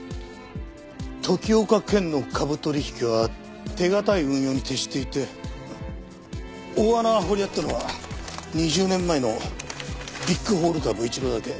時岡賢の株取引は手堅い運用に徹していて大穴を掘り当てたのは２０年前のビッグホール株一度だけ。